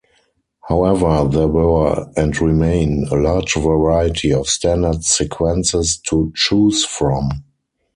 However, there were, and remain, a large variety of standard sequences to choose from.